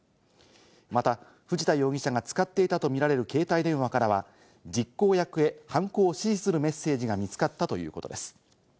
また、藤田容疑者が使っていたとみられる携帯電話からは実行役へ犯行を指示するメッセージが見つかったということです。